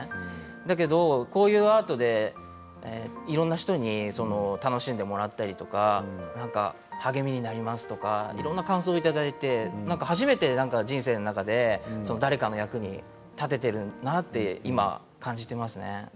だけど、こういうアートでいろんな人に楽しんでもらったりとか励みになりますとかいろんな感想をいただいて初めて人生の中で誰かの役に立てているなと今、感じていますね。